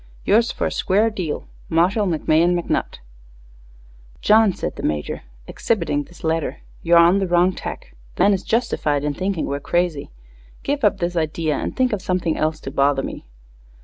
Yours fer a square deal Marshall McMahon McNutt_. "John," said the Major, exhibiting this letter, "you're on the wrong tack. The man is justified in thinking we're crazy. Give up this idea and think of something else to bother me."